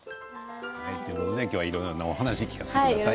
今日はいろいろなお話聞かせてください。